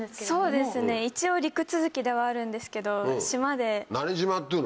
そうですね一応陸続きではあるんですけど島で。